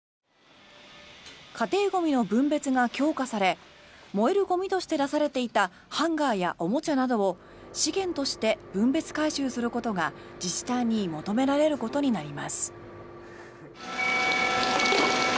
家庭ゴミの分別が強化され燃えるゴミとして出されていたハンガーやおもちゃなどを資源として分別回収することが自治体に求められることになります。